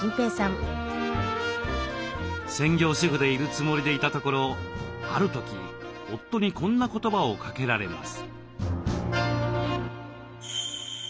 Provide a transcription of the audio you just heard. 専業主婦でいるつもりでいたところある時夫にこんな言葉をかけられます。